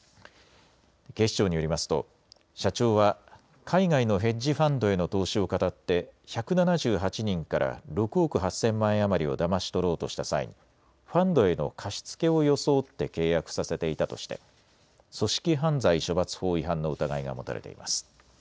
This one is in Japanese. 警視庁によりますと社長は海外のヘッジファンドへの投資をかたって１７８人から６億８０００万円余りをだまし取ろうとした際にファンドへの貸し付けを装って契約させていたとしていて組織犯罪処罰法違反の疑いが持たれています。